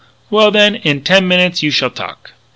Well, then, in ten minutes you shall talk!"